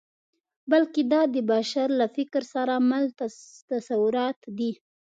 بلکې دا د بشر له فکر سره مل تصورات دي.